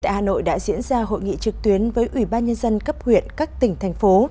hà nội đã diễn ra hội nghị trực tuyến với ủy ban nhân dân cấp huyện các tỉnh thành phố